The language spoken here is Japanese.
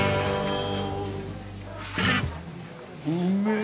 うめえ！